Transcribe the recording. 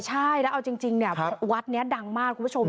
ใช่แล้วเอาจริงเนี่ยวัดนี้ดังมากคุณผู้ชม